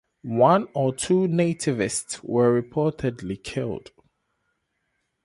One or two nativists were reportedly killed.